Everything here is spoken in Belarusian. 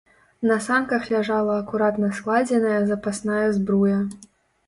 На санках ляжала акуратна складзеная запасная збруя.